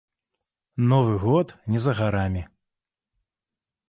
Новы год не за гарамі.